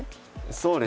そうですね。